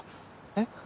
えっ？